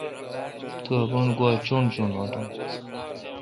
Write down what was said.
اپان گواچݨ چݨ اٹوُن۔